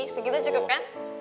segitu cukup kan